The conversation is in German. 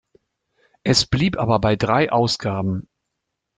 Es blieb aber bei drei Ausgaben.